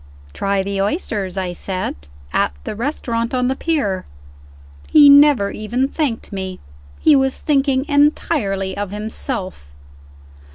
"Try the oysters," I said, "at the restaurant on the pier." He never even thanked me. He was thinking entirely of himself.